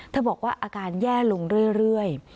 บอกว่าอาการแย่ลงเรื่อย